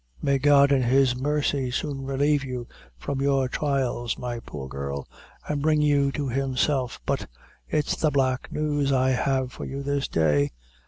"May God in His mercy soon relieve you from your thrials, my poor girl, an' bring you to Himself! but it's the black news I have for you this day."